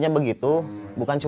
ntar setia pas tanya